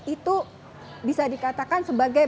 itu bisa dikatakan sebagai